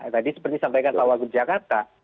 tadi seperti sampaikan pak wagub jakarta